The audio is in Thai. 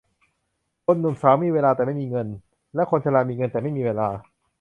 คนหนุ่มสาวมีเวลาแต่ไม่มีเงิน และคนชรามีเงินแต่ไม่มีเวลา